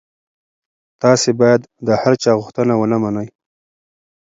تاسي باید د هر چا غوښتنه ونه منئ.